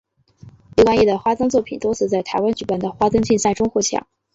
李冠毅的花灯作品多次在台湾举办的花灯竞赛中获奖。